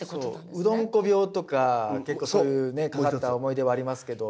うどんこ病とか結構そういうねかかった思い出はありますけど。